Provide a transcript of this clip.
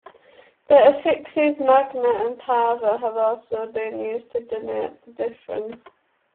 The affixes 'Magna' and 'Parva' have also been used to denote the difference.